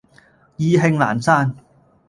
意興闌珊